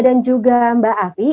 dan juga mbak afi